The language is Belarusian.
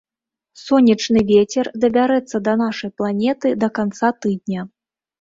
Сонечны вецер дабярэцца да нашай планеты да канца тыдня.